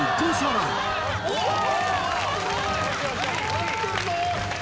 勝ってるぞ。